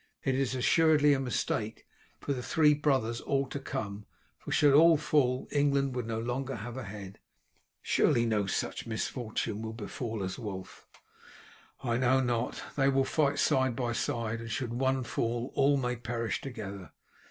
It is assuredly a mistake for the three brothers all to come, for should all fall England would no longer have a head." "Surely no such misfortune as that will befall us, Wulf." "I know not. They will fight side by side, and should one fall all may perish together.